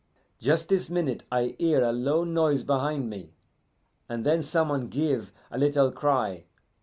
"Just this minute I hear a low noise behind me, and then some one give a little cry.